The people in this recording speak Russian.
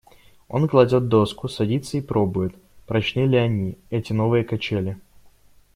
Он кладет доску, садится и пробует, прочны ли они, эти новые качели.